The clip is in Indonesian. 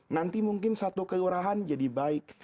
nanti mungkin satu kelurahan jadi baik